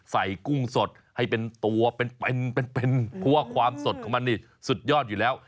กุ้งสดให้เป็นตัวเป็นเป็นเพราะว่าความสดของมันนี่สุดยอดอยู่แล้ว